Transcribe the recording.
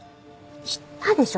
言ったでしょ。